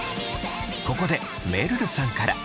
ここでめるるさんから。